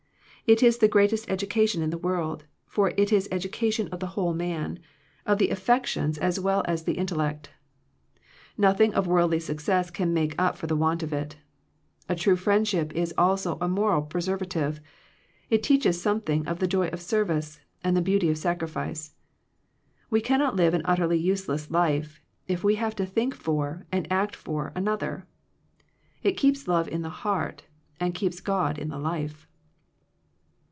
It is the greatest education in the world; for it is educa tion of the whole man, of the affections 154 Digitized by VjOOQIC THE WRECK OF FRIENDSHIP as well as the intellect Nothing of worldly success can make up for the want of it And true friendship is also a moral preservative. It teaches something of the joy of service, and the beauty of sacrifice. We cannot live an utterly use less Hfe, if we have to think for, and act for, another. It keeps love in the heart, and keeps God in the life.